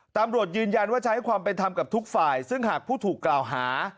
ตำรวจยืนยันว่าใช้ความเป็นธรรมกับทุกฝ่ายซึ่งหากผู้ถูกกล่าวหา